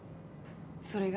それが？